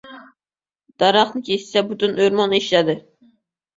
• Daraxtni kesishsa butun o‘rmon eshitadi.